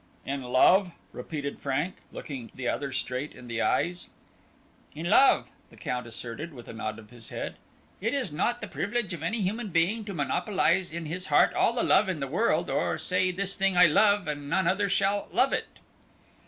'" "In love?" repeated Frank, looking the other straight in the eyes. "In love," the Count asserted, with a nod of his head, "it is not the privilege of any human being to monopolize in his heart all the love in the world, or to say this thing I love and none other shall love it.